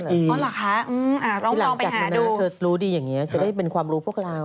อ๋อเหรอคะลองมองไปหาดูที่หลังจัดมานานเธอรู้ดีอย่างนี้จะได้เป็นความรู้พวกเรา